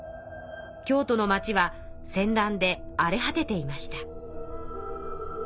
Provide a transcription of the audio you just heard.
京都の町は戦乱であれ果てていました。